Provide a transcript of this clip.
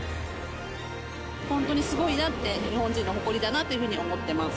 本当にすごいなって、日本人の誇りだなっていうふうに思ってます。